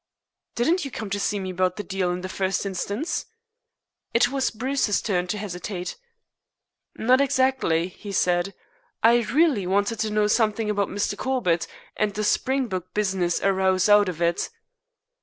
"Didn't you come to see me about the deal in the first instance?" It was Bruce's turn to hesitate. "Not exactly," he said. "I really wanted to know something about Mr. Corbett, and the Springbok business arose out of it."